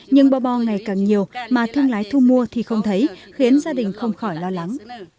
nhưng bò bò ngày càng nhiều mà thương lái thu mua thì không thấy khiến gia đình không khỏi lo lắng